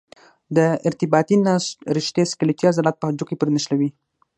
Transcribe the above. د ارتباطي نسج رشتې سکلیټي عضلات په هډوکو پورې نښلوي.